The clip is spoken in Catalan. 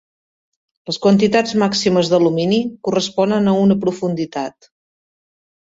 Les quantitats màximes d'alumini corresponen a una profunditat.